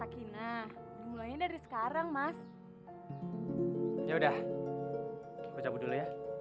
aku masih ada urusan